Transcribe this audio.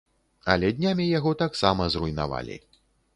Але днямі яго таксама зруйнавалі.